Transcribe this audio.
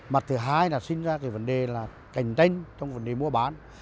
mặt thứ hai là sinh ra vấn đề là cành tranh trong vấn đề mua bán